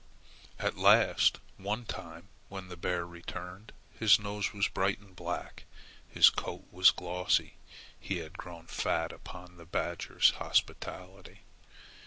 At last one time when the bear returned, his nose was bright and black. His coat was glossy. He had grown fat upon the badger's hospitality.